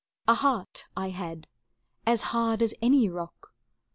A heart I had as hard as any rock.